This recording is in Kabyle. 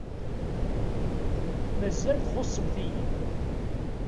Mazal txuṣṣemt-iyi.